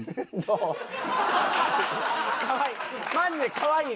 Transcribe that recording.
かわいい。